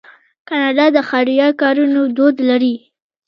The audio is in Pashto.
کاناډا د خیریه کارونو دود لري.